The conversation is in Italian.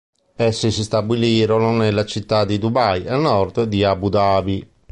Essi si stabilirono nella città di Dubai, a nord di Abu Dhabi.